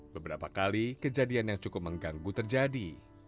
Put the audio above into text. beberapa kali kejadian yang cukup mengganggu terjadi